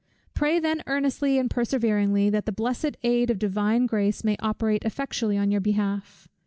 Pray then earnestly and perseveringly, that the blessed aid of Divine Grace may operate effectually on your behalf.